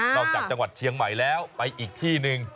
จังหวัดเชียงใหม่แล้วไปอีกที่หนึ่ง